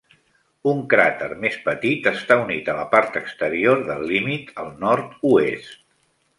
Un cràter més petit està unit a la part exterior del límit al nord-oest.